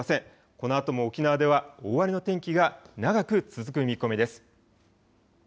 このあとも沖縄では大荒れの天気が長く続く見込みです。